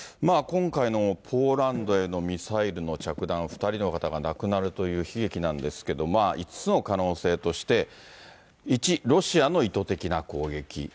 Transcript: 今回のポーランドへのミサイルの着弾、２人の方が亡くなるという悲劇なんですけど、５つの可能性として、１、ロシアの意図的な攻撃。